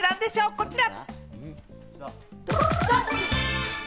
こちら！